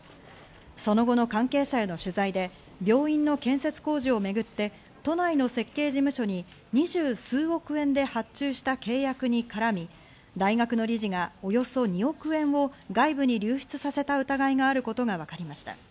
その後の関係者への取材で病院の建設工事をめぐって都内の設計事務所に２０数億円で発注した契約に絡み、大学の理事がおよそ２億円を外部に流出させた疑いがあることがわかりました。